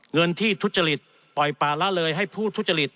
เงินที่ทุจริตปล่อยป่าละเลยให้ผู้ทุจริต